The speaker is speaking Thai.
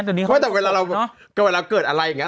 ไม่แต่เวลาเกิดอะไรไง